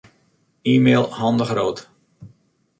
E-mail Han de Groot.